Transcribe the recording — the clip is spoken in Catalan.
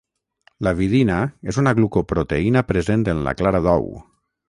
L'avidina és una glucoproteïna present en la clara d'ou.